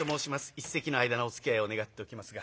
一席の間のおつきあいを願っておきますが。